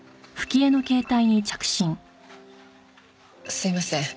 すいません。